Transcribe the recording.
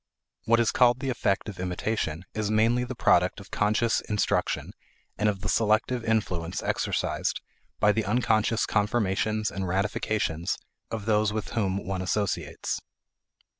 What is called the effect of imitation is mainly the product of conscious instruction and of the selective influence exercised by the unconscious confirmations and ratifications of those with whom one associates.